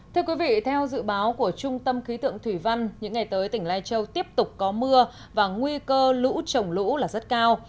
thưa quý vị theo dự báo của trung tâm khí tượng thủy văn những ngày tới tỉnh lai châu tiếp tục có mưa và nguy cơ lũ trồng lũ là rất cao